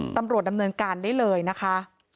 ตำรวจดำเนินการได้เลยนะคะ